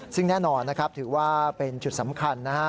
ซึ่งแน่นอนนะครับถือว่าเป็นจุดสำคัญนะฮะ